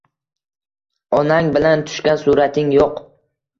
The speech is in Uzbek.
Onang bilan tushgan surating yo`q